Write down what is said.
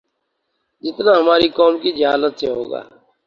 جتنا ہماری قوم کی جہالت سے ہو گا